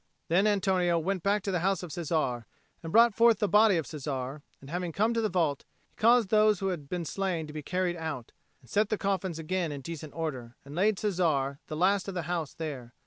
Then Antonio went back to the house of Cesare, and brought forth the body of Cesare, and, having come to the vault, he caused those who had been slain to be carried out, and set the coffins again in decent order, and laid Cesare, the last of the house, there.